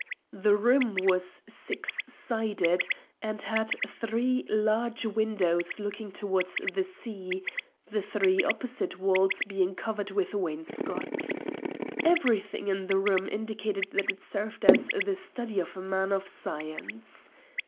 The room was six sided, and had three large windows looking towards the sea, the three opposite walls being covered with wainscot. Everything in the room indicated that it served as the study of a man of science.